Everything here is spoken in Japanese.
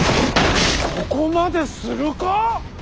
ここまでするか？